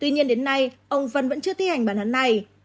nên đến nay ông vân vẫn chưa thi hành bản hẳn này